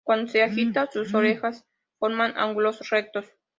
Cuando se agita, sus orejas forman ángulos rectos.